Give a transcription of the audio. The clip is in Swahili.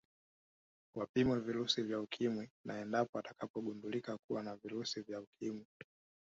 Wapimwe virusi vya Ukimwi na endapo watagundulika kuwa na virusi vya Ukimwi